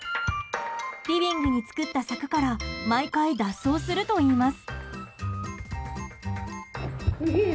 リビングに作った柵から毎回脱走するといいます。